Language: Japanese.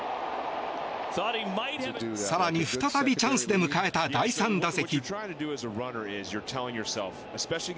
更に、再びチャンスで迎えた第３打席。